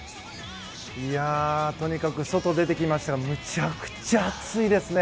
とにかく外に出てきましたがむちゃくちゃ暑いですね。